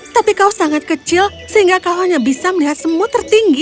tapi kau sangat kecil sehingga kau hanya bisa melihat semut tertinggi